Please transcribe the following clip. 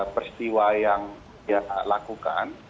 peristiwa yang dilakukan